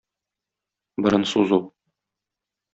Борын сузу.